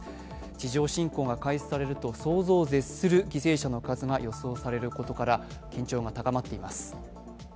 地上侵攻が開始されると想像を絶する犠牲者の数が予想されることから緊張が高まっています。